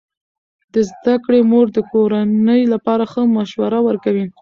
د زده کړې مور د کورنۍ لپاره ښه مشوره ورکوي.